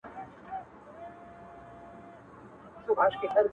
• غواړم تیارو کي اوسم ـ دومره چي څوک و نه وینم ـ